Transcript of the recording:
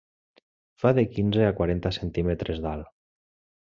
Fa de quinze a quaranta centímetres d'alt.